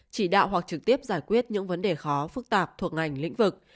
chỉ đạo hoặc trực tiếp giải quyết những vấn đề khó phức tạp thuộc ngành lĩnh vực